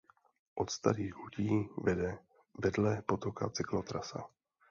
Od Starých Hutí vede vedle potoka cyklotrasa.